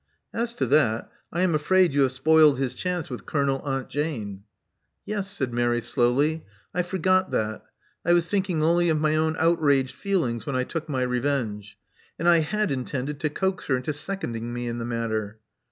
"'* As to that, I am afraid you have spoiled his chance with Colonel Aunt Jane?" "Yes," said Mary slowly: I forgot that. I was thinking only of my own outraged feelings when I took my revenge. And I had intended to coax her into seconding me in the matter."